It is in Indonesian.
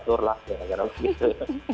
ya sudah teratur lah